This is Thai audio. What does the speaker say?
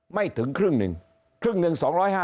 ไม่ถึงครึ่งหนึ่งครึ่งหนึ่ง๒๕๐